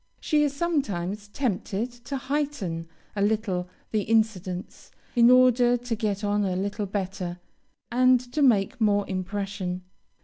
She is sometimes tempted to heighten a little the incidents, in order to get on a little better, and to make more impression.